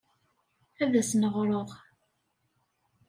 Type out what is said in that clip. Ad asen-ɣreɣ.